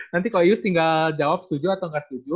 nanti kok yus tinggal jawab setuju atau gak setuju